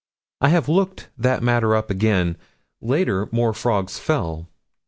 I have looked that matter up again. Later more frogs fell.